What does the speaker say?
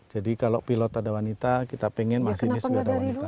kalau pilot ada wanita kita pengen masinis sudah ada wanita